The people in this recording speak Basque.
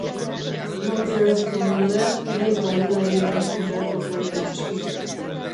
Non zehaztu ondoren, noiz galderari erantzun beharko zaio noski.